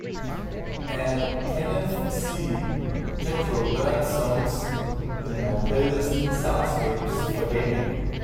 add kenneth c "jethro" burns songs in my playlist soundscapes for gaming